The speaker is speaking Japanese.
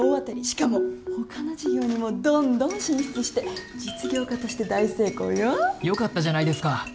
しかも他の事業にもどんどん進出して実業家として大成功よ。よかったじゃないですか。